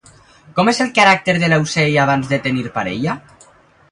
Com és el caràcter de l'aucell abans de tenir parella?